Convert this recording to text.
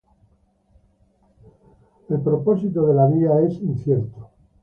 El propósito de la vía es incierto.